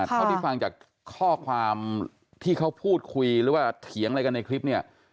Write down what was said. เท่าที่ฟังจากข้อความที่เขาพูดคุยหรือว่าเถียงอะไรกันในคลิปเนี่ย